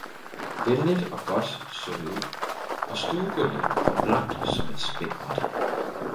venligt og godt så der ud og stuegulvet var blankt som et spækbræt.